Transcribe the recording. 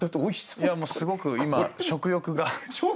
いやもうすごく今食欲が。